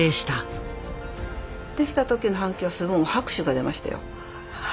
出来た時の反響はすごい拍手が出ましたよ。